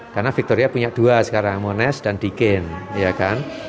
karena victoria punya dua sekarang monash dan deakin ya kan